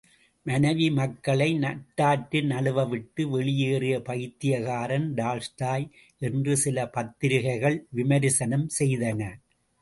மனைவி மக்களை நட்டாற்றில் நழுவ விட்டு வெளியேறிய பைத்தியக்காரன் டால்ஸ்டாய் என்று சில பத்திரிகைகள் விமரிசனம் செய்தன.